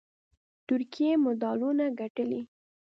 ترکیې مډالونه ګټلي